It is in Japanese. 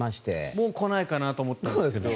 もう来ないかなと思ったんですけど。